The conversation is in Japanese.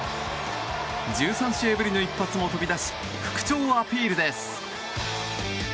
１３試合ぶりの一発も飛び出し復調アピールです。